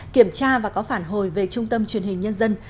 kiểm tra và có phản hồi về trung tâm truyền hình nhân dân